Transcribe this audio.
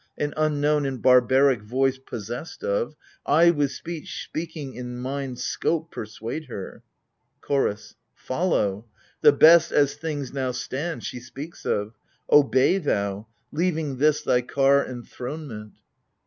An unknown and barbaric voice possessed of, I, with speech — speaking in mind's scope — persuade her. CHOROS. Follow ! The best — as things now stand — she speaks of. Obey thou, leaving this thy car enthronement